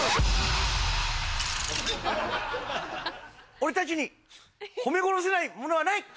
俺たちに褒め殺せないものはない！